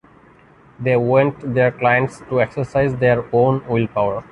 They want their clients to exercise their own willpower.